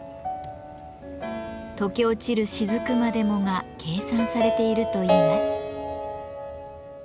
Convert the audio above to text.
とけ落ちる滴までもが計算されているといいます。